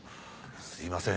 すいません。